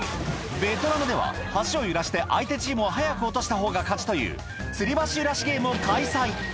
ベトナムでは橋を揺らして相手チームを早く落としたほうが勝ちというつり橋揺らしゲームを開催